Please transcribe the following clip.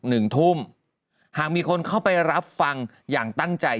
ตอน๔ทุ่มวันศุกร์๑ทุ่มหากมีคนเข้าไปรับฟังอย่างตั้งใจ